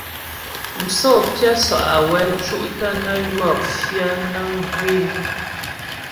Msǒ pyə́ sɔ’ awɛ ́ cú’ tə́ nə ywɔk fyə̌ nəŋ wii.